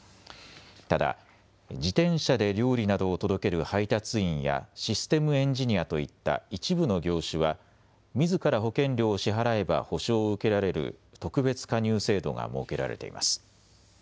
ただ自転車で料理などを届ける配達員やシステムエンジニアといった一部の業種はみずから保険料を支払えば補償を受けられる特別加入制度が設けられています。